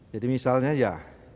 jadi misalnya ya